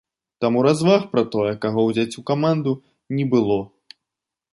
Таму разваг пра тое, каго ўзяць у каманду, не было.